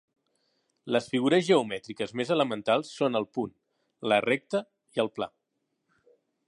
Les figures geomètriques més elementals són el punt, la recta i el pla.